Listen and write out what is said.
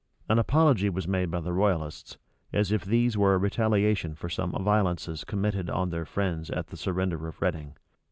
An apology was made by the royalists, as if these were a retaliation for some violences committed on their friends at the surrender of Reading.